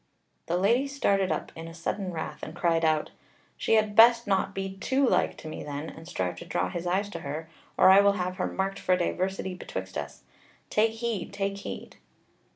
The Lady started up in sudden wrath, and cried out: "She had best not be too like to me then, and strive to draw his eyes to her, or I will have her marked for diversity betwixt us. Take heed, take heed!"